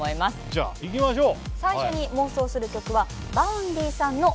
じゃあいきましょう！